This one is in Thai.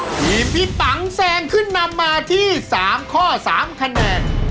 ทีมพี่ปังแซงขึ้นนำมาที่๓ข้อ๓คะแนน